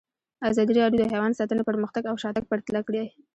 ازادي راډیو د حیوان ساتنه پرمختګ او شاتګ پرتله کړی.